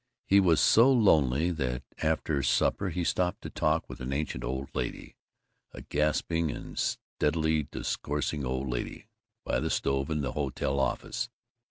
He was so lonely that after supper he stopped to talk with an ancient old lady, a gasping and steadily discoursing old lady, by the stove in the hotel office.